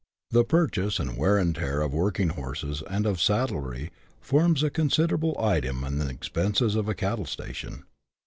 The purchase and wear and tear of working horses, and of saddlery, forms a considerable item in the expenses of a cattle station.